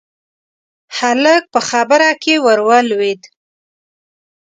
هلک په خبره کې ورولوېد: